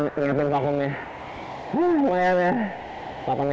nge sikat dulu sama nge facum facumnya